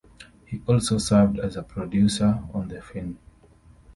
He also served as a producer on the film.